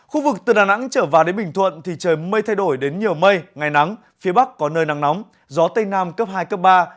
khu vực từ đà nẵng trở vào đến bình thuận thì trời mây thay đổi đến nhiều mây ngày nắng phía bắc có nơi nắng nóng gió tây nam cấp hai cấp ba